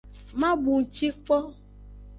Ma bunci kpo.